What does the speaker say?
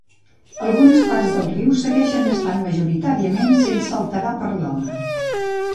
Algunes parts del riu seguixen estant majoritàriament sense alterar per l'home.